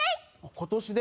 今年で？